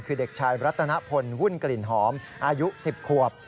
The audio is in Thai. คือเด็กชายรัตนพลวุ่นกลิ่นหอมอายุ๑๐ขวบ